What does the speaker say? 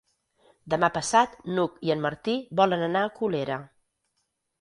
Demà passat n'Hug i en Martí volen anar a Colera.